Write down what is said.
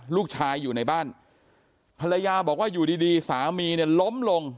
อยู่ในบ้านภรรยาบอกว่าอยู่ดีดีสามีเนี่ยล้มลง